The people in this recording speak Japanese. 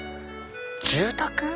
住宅？